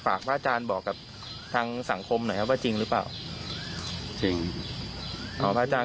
พระอาจารย์บอกกับทางสังคมหน่อยครับว่าจริงหรือเปล่าจริงเอาพระอาจารย์